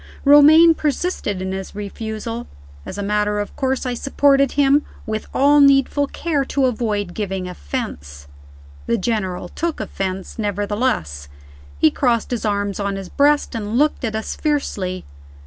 Romayne persisted in his refusal. As a matter of course, I supported him, with all needful care to avoid giving offense. The General took offense, nevertheless. He crossed his arms on his breast, and looked at us fiercely.